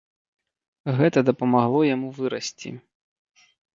Гэта дапамагло яму вырасці.